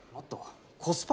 コスパ？